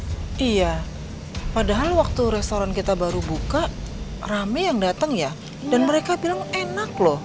iya padahal waktu restoran kita baru buka rame yang datang ya dan mereka bilang enak loh